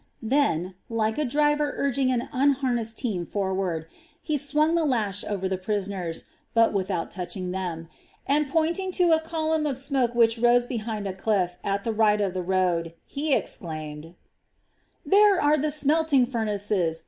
Then, like a driver urging an unharnessed team forward, he swung the lash over the prisoners, but without touching them, and pointing to a column of smoke which rose behind a cliff at the right of the road, he exclaimed: "There are the smelting furnaces!